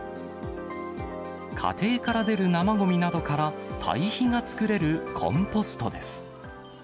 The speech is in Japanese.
家庭から出る生ごみなどから堆肥が作れるコンポストです。